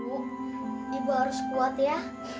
ibu ibu harus kuat ya